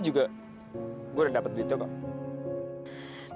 saya sudah mendapatkan uang itu